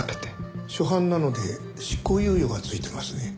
初犯なので執行猶予がついてますね。